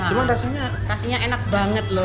cuma rasanya rasanya enak banget loh